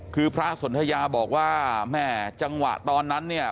คือพระสนทยาบอกว่าแม่จังหวะตอนนั้นเนี่ย